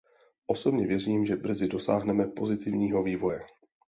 Osobně věřím, že brzy dosáhneme pozitivního vývoje.